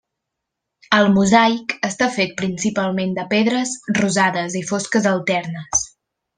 El mosaic està fet principalment de pedres rosades i fosques alternes.